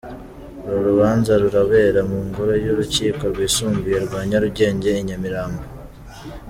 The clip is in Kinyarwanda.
Uru rubanza rurabera mu ngoro y’urukiko rwisumbuye rwa Nyarugenge i Nyamirambo.